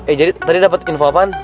eh jadi wtedy dapet info apaan